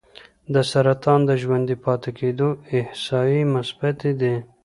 د سرطان د ژوندي پاتې کېدو احصایې مثبتې دي.